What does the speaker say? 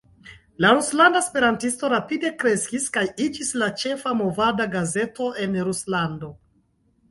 Ruslanda Esperantisto rapide kreskis kaj iĝis la ĉefa movada gazeto en Ruslando.